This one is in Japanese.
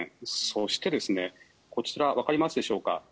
そしてこちら、わかりますでしょうか。